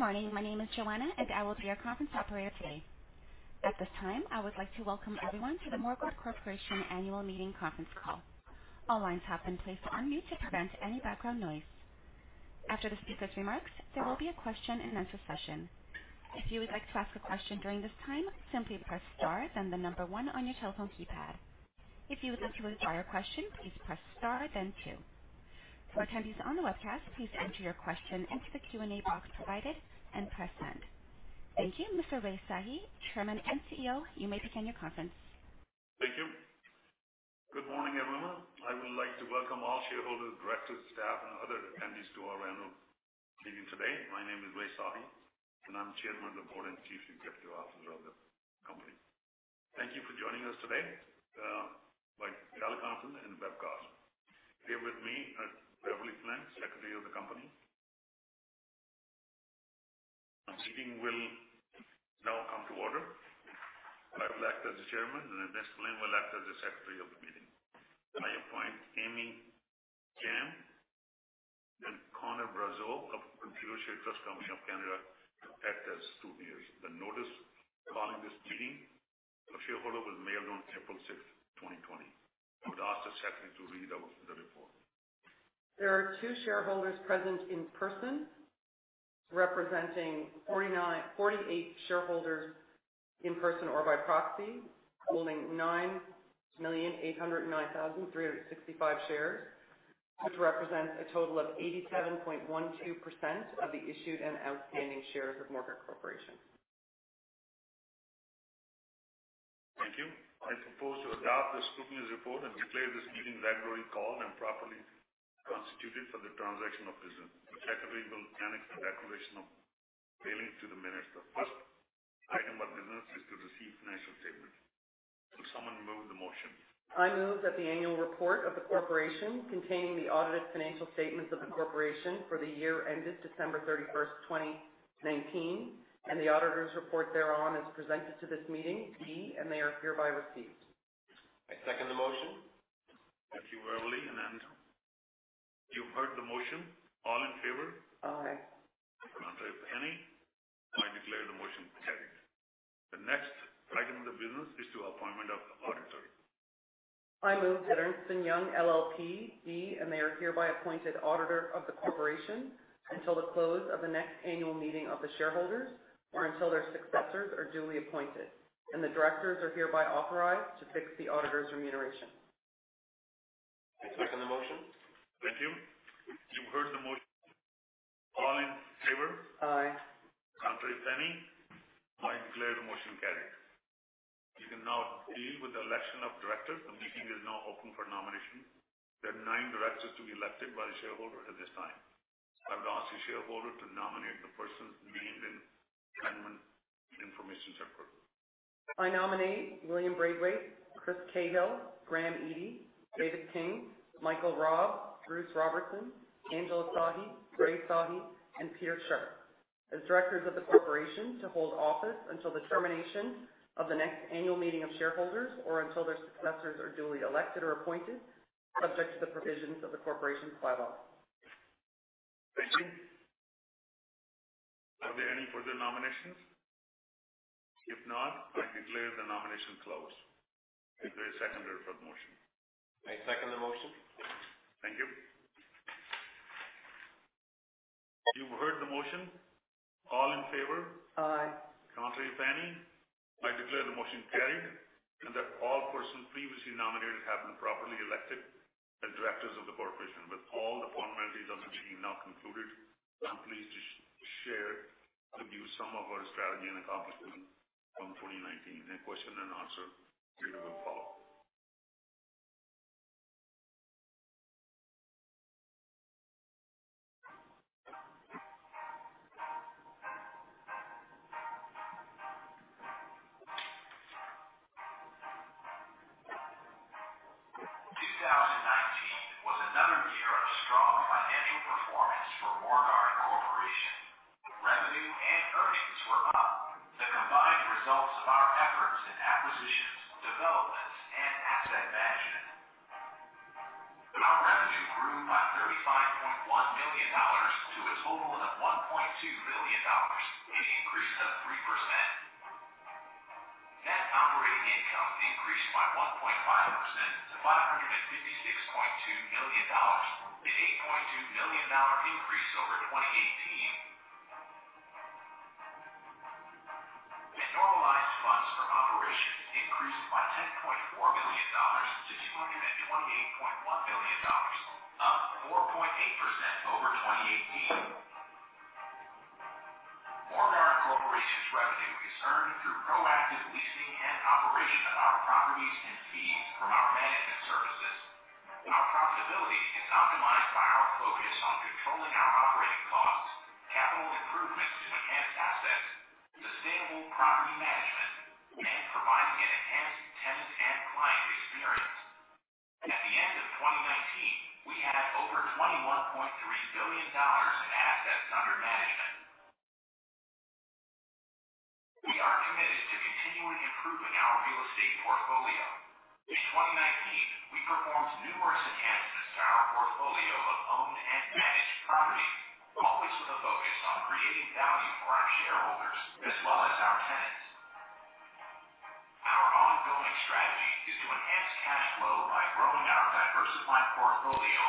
Good morning. My name is Joanna, and I will be your conference operator today. At this time, I would like to welcome everyone to the Morguard Corporation Annual Meeting Conference Call. All lines have been placed on mute to prevent any background noise. After the speakers' remarks, there will be a question-and-answer session. If you would like to ask a question during this time, simply press star, then the number one on your telephone keypad. If you would like to withdraw your question, please press star, then two. For attendees on the webcast, please enter your question into the Q&A box provided and press send. Thank you. Mr. Rai Sahi, Chairman and CEO, you may begin your conference. Thank you. Good morning, everyone. I would like to welcome all shareholders, directors, staff, and other attendees to our annual meeting today. My name is Rai Sahi, and I'm Chairman of the Board and Chief Executive Officer of the company. Thank you for joining us today by teleconference and webcast. Here with me is Beverley Flynn, Secretary of the company. Our meeting will now come to order. I will act as the chairman, and Ms. Flynn will act as the secretary of the meeting. I appoint Amy Jam and Connor Brazell of Computershare Trust Company of Canada to act as scrutinizers. The notice calling this meeting of shareholders was mailed on April 6th, 2020. I would ask the secretary to read out the report. There are two shareholders present in person, representing 48 shareholders in person or by proxy, holding 9,809,365 shares, which represents a total of 87.12% of the issued and outstanding shares of Morguard Corporation. Thank you. I propose to adopt the scrutinizer's report and declare this meeting regularly called and properly constituted for the transaction of business. The secretary will annex the declaration of mailing to the minutes. The first item of business is to receive financial statements. Will someone move the motion? I move that the annual report of the corporation containing the audited financial statements of the corporation for the year ended December 31st, 2019, and the auditor's report thereon as presented to this meeting be, and they are hereby received. I second the motion. Thank you, Beverley. You've heard the motion. All in favor? Aye. Contrary if any? I declare the motion carried. The next item of business is the appointment of the auditor. I move that Ernst & Young LLP be, and they are hereby appointed auditor of the Corporation until the close of the next annual meeting of the shareholders or until their successors are duly appointed. The directors are hereby authorized to fix the auditor's remuneration. I second the motion. Thank you. You've heard the motion. All in favor? Aye. Contrary if any? I declare the motion carried. We can now deal with the election of directors. The meeting is now open for nominations. There are nine directors to be elected by the shareholders at this time. I would ask the shareholder to nominate the persons named in the management information circular. I nominate William Braithwaite, Chris Cahill, Graeme Eadie, David King, Michael Robb, Bruce Robertson, Angela Sahi, Rai Sahi, and Peter Sharpe as directors of the corporation to hold office until the termination of the next annual meeting of shareholders or until their successors are duly elected or appointed, subject to the provisions of the corporation's bylaws. Thank you. Are there any further nominations? If not, I declare the nominations closed. Is there a seconder for the motion? I second the motion. Thank you. You've heard the motion. All in favor? Aye. Contrary if any? I declare the motion carried, and that all persons previously nominated have been properly elected as directors of the corporation. With all the formalities of the meeting now concluded, I'm pleased to share with you some of our strategy and accomplishments from 2019. A question and answer period will follow. Normalized funds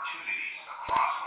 opportunities across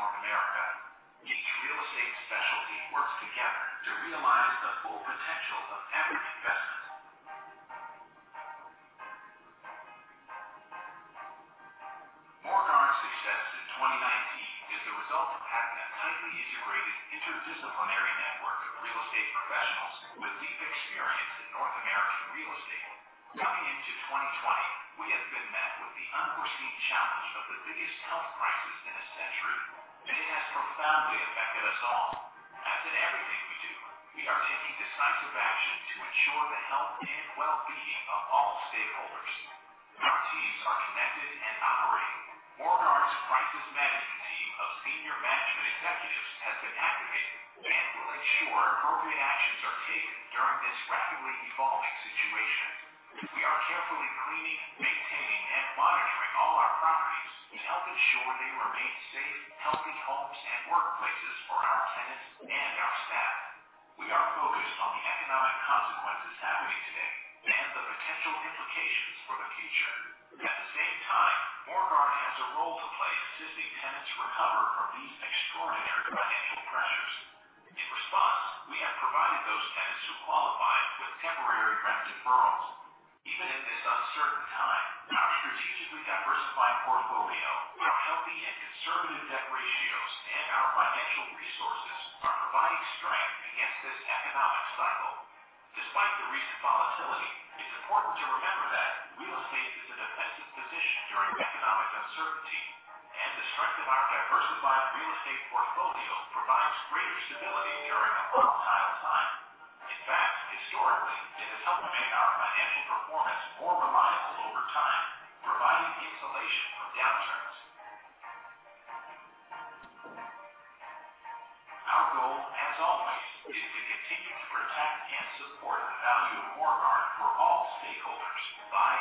during a volatile time. In fact, historically, it has helped make our financial performance more reliable over time, providing insulation from downturns. Our goal, as always, is to continue to protect and support the value of Morguard for all stakeholders by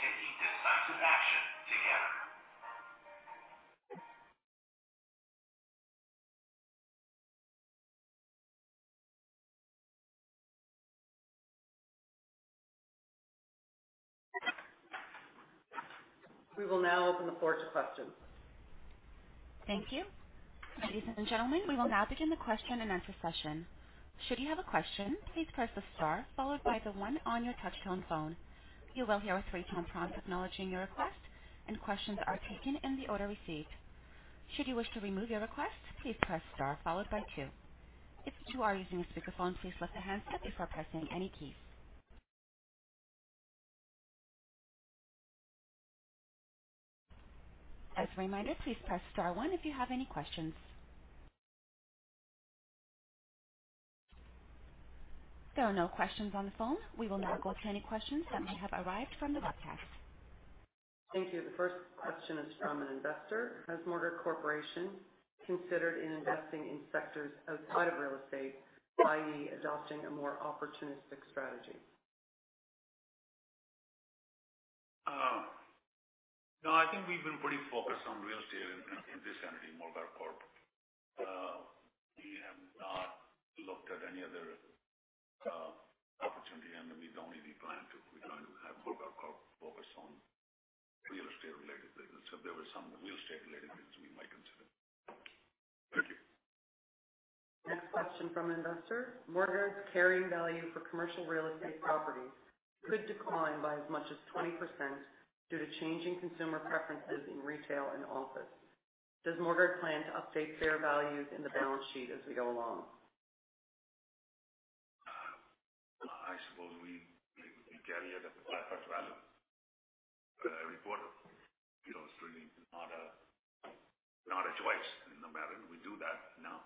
taking decisive action together. We will now open the floor to questions. Thank you. Ladies and gentlemen, we will now begin the question and answer session. Should you have a question, please press the star followed by the one on your touchtone phone. You will hear a three-tone prompt acknowledging your request, and questions are taken in the order received. Should you wish to remove your request, please press star followed by two. If you are using a speakerphone, please lift the handset before pressing any key. As a reminder, please press star one if you have any questions. There are no questions on the phone. We will now go to any questions that may have arrived from the podcast. Thank you. The first question is from an investor. Has Morguard Corporation considered in investing in sectors outside of real estate, i.e., adopting a more opportunistic strategy? No, I think we've been pretty focused on real estate in this entity, Morguard Corp. We have not looked at any other opportunity, and we don't really plan to. We plan to have Morguard Corp. focused on real estate-related business. If there were some real estate-related business, we might consider. Thank you. Next question from an investor. Morguard's carrying value for commercial real estate properties could decline by as much as 20% due to changing consumer preferences in retail and office. Does Morguard plan to update fair values in the balance sheet as we go along? I suppose we carry it at the fair value. Reporting it is really not a choice in the manner we do that now.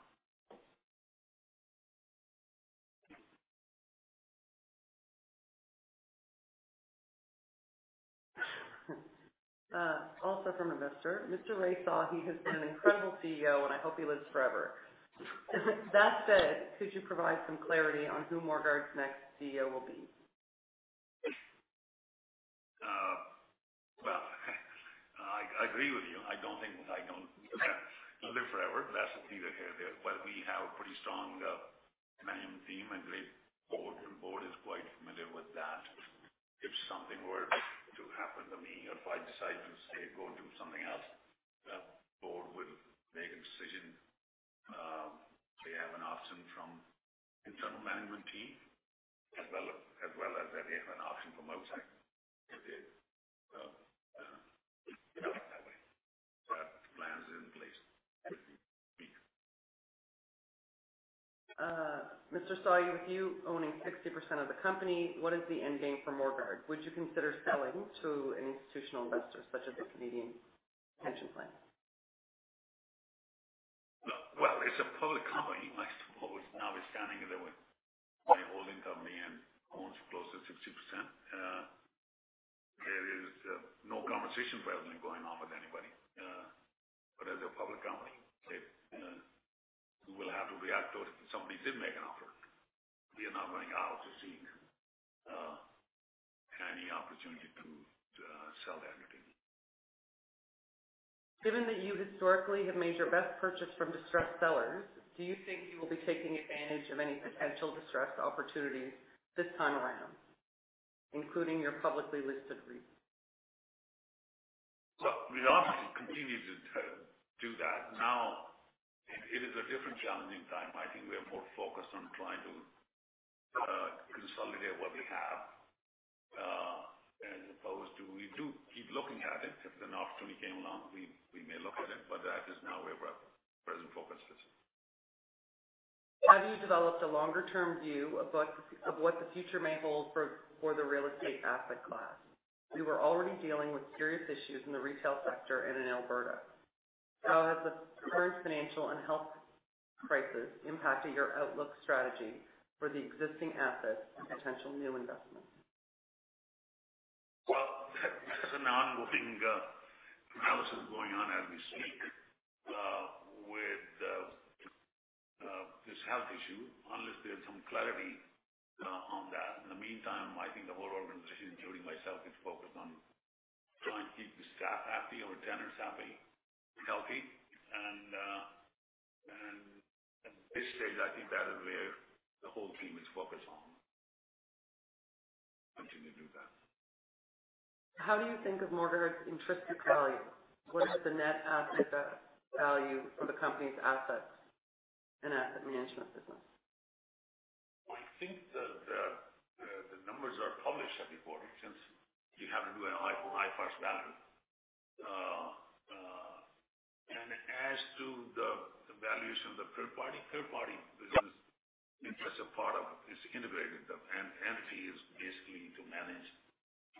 Also from an investor, "Mr. Rai Sahi has been an incredible CEO, and I hope he lives forever. That said, could you provide some clarity on who Morguard's next CEO will be? Well, I agree with you. I don't think I don't live forever, but that's neither here nor there. We have a pretty strong management team and great board, and board is quite familiar with that. If something were to happen to me or if I decide to, say, go do something else, the board would make a decision. They have an option from internal management team, as well as they have an option from outside. We look at it that way. Plans are in place. Mr. Sahi, with you owning 60% of the company, what is the end game for Morguard? Would you consider selling to an institutional investor such as the Canada Pension Plan? Well, it's a public company, I suppose, notwithstanding that my holding company owns close to 60%. There is no conversation presently going on with anybody. As a public company, we will have to react to it if somebody did make an offer. We are not going out to seek any opportunity to sell anything. Given that you historically have made your best purchase from distressed sellers, do you think you will be taking advantage of any potential distressed opportunities this time around, including your publicly listed REITs? We always continue to do that. It is a different challenging time. I think we are more focused on trying to consolidate what we have. We do keep looking at it. If an opportunity came along, we may look at it, but that is not where our present focus is. Have you developed a longer-term view of what the future may hold for the real estate asset class? We were already dealing with serious issues in the retail sector and in Alberta. How has the current financial and health crisis impacted your outlook strategy for the existing assets and potential new investments? Well, that is an ongoing analysis going on as we speak. With this health issue, unless there's some clarity on that. In the meantime, I think the whole organization, including myself, is focused on trying to keep the staff happy, our tenants happy and healthy. At this stage, I think that is where the whole team is focused on. Continue to do that. How do you think of Morguard's intrinsic value? What is the net asset value for the company's assets and asset management business? I think the numbers are published every quarter since you have to do an IFRS balance. As to the valuation of the third party, third party business is an intrinsic part of it. It's integrated. [AMT] is basically to manage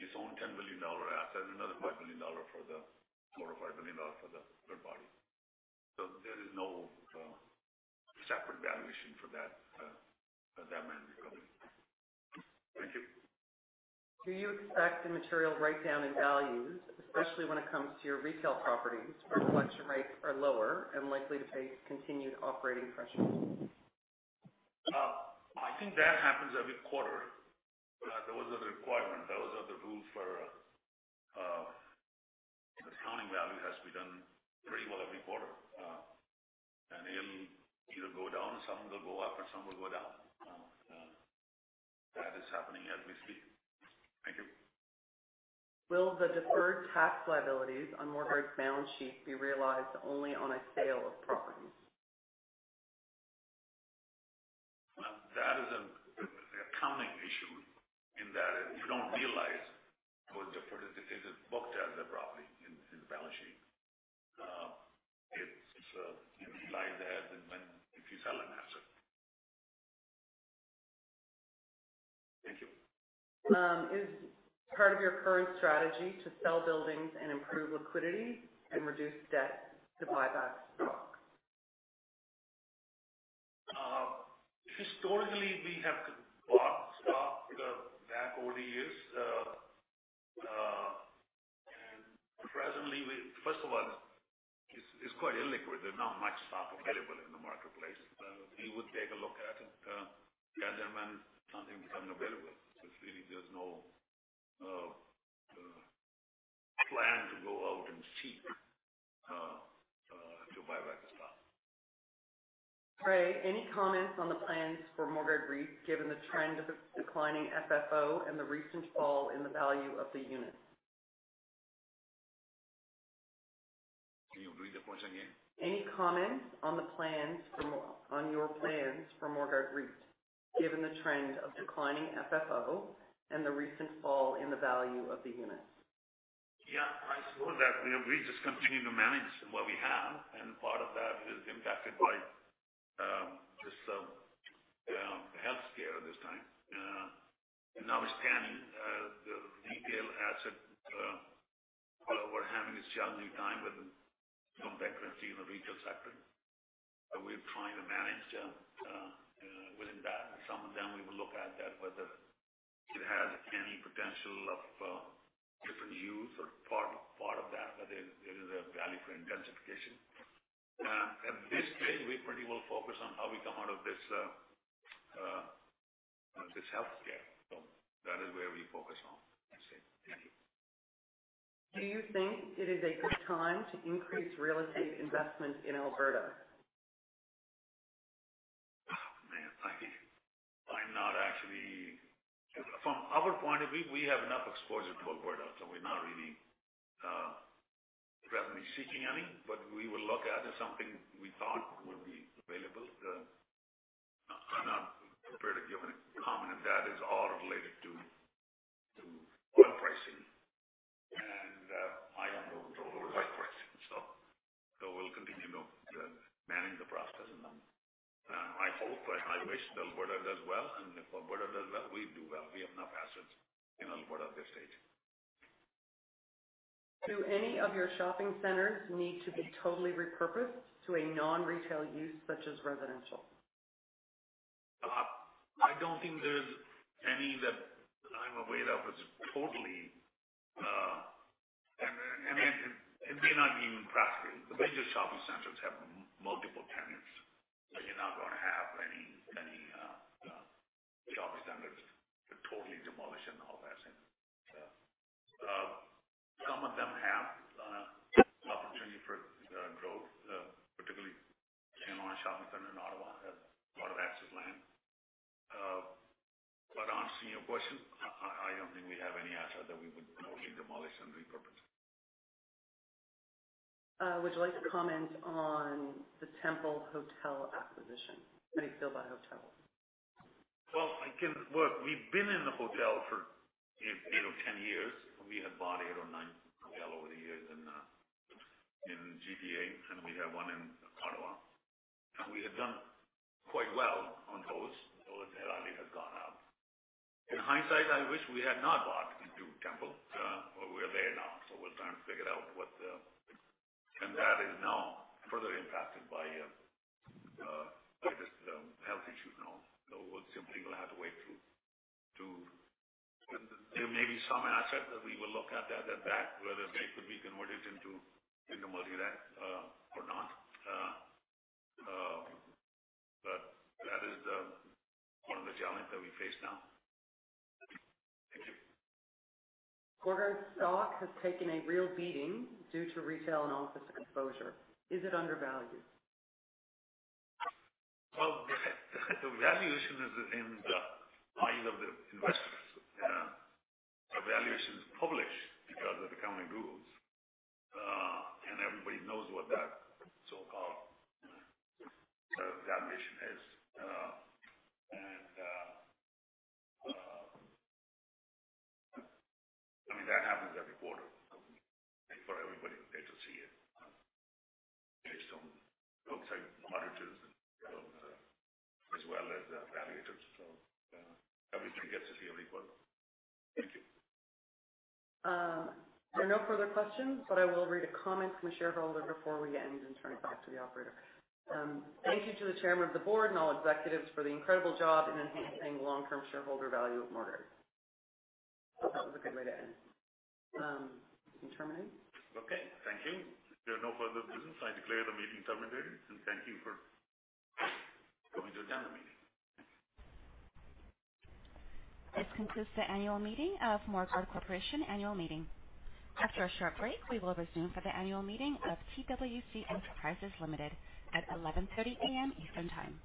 its own 10 billion dollar asset and another 4 billion or 5 billion dollar for the third party. There is no separate valuation for that management company. Thank you. Do you expect a material write-down in values, especially when it comes to your retail properties, where collection rates are lower and likely to face continued operating pressures? I think that happens every quarter. Those are the requirement. Those are the rules where accounting value has to be done pretty well every quarter. It'll either go down, some will go up, or some will go down. That is happening as we speak. Thank you. Will the deferred tax liabilities on Morguard's balance sheet be realized only on a sale of properties? That is an accounting issue in that you don't realize because it is booked as a property in the balance sheet. You realize that if you sell an asset. Thank you. Is part of your current strategy to sell buildings and improve liquidity and reduce debt to buy back stock? Historically, we have bought stock back over the years. Presently, first of all, it's quite illiquid. There's not much stock available in the marketplace. We would take a look at it then when something becomes available. Really there's no plan to go out and seek to buyback stock. Rai, any comments on the plans for Morguard REIT given the trend of declining FFO and the recent fall in the value of the unit? Can you read the question again? Any comments on your plans for Morguard REIT given the trend of declining FFO and the recent fall in the value of the unit? Yeah. I suppose that we just continue to manage what we have, and part of that is impacted by this health scare this time. That's it. While we're having this challenging time with some vacancy in the retail sector, we're trying to manage within that. Some of them, we will look at that, whether it has any potential of different use or part of that, whether there is a value for intensification. At this stage, we pretty well focus on how we come out of this health scare. That is where we focus on. That's it. Thank you. Do you think it is a good time to increase real estate investment in Alberta? Oh, man. From our point of view, we have enough exposure to Alberta, so we're not really revenue-seeking any. We will look at something we thought would be available. I'm not prepared to give any comment. That is all related to oil pricing, and I have no control over oil pricing. We'll continue to manage the process. I hope and I wish that Alberta does well, and if Alberta does well, we do well. We have enough assets in Alberta at this stage. Do any of your shopping centers need to be totally repurposed to a non-retail use such as residential? I don't think there's any that I'm aware of that is totally. It may not be even practical. The bigger shopping centers have multiple tenants. You're not going to have any shopping centers totally demolished and all that. Some of them have opportunity for growth, particularly St. Laurent Shopping Centre in Ottawa has a lot of excess land. Answering your question, I don't think we have any asset that we would totally demolish and repurpose. Would you like to comment on the Temple Hotel acquisition, the hotel? We've been in the hotel for 10 years. We have bought eight or nine hotel over the years in GTA, and we have one in Ottawa. We have done quite well on those, though the revenue has gone up. In hindsight, I wish we had not bought into Temple, but we are there now, so we're trying to figure it out. That is now further impacted by this health issue now. We're simply going to have to wait. There may be some asset that we will look at that, whether they could be converted into multi-res or not. That is one of the challenge that we face now. Thank you. Morguard stock has taken a real beating due to retail and office exposure. Is it undervalued? Well, the valuation is in the eyes of the investors. Our valuation is published because of accounting rules. Everybody knows what that so-called valuation is. That happens every quarter for everybody to see it based on outside auditors as well as evaluators. Everybody gets it here equal. Thank you. There are no further questions, but I will read a comment from a shareholder before we end and turn it back to the operator. Thank you to the chairman of the board and all executives for the incredible job in enhancing long-term shareholder value of Morguard. That was a good way to end. You can terminate. Okay. Thank you. If there are no further business, I declare the meeting terminated, and thank you for coming to attend the meeting. Thanks. This concludes the annual meeting of Morguard Corporation. After a short break, we will resume for the annual meeting of TWC Enterprises Limited at 11:30 AM. Eastern Time.